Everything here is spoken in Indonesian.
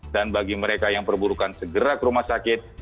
dan bagi mereka yang perburukan segera ke rumah sakit